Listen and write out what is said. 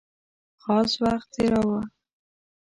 خاص وخت تېراوه.